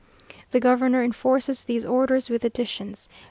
The governor enforces these orders with additions.